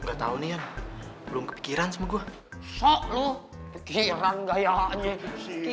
akhirnya satu bekas paham buat aku ke efekmtih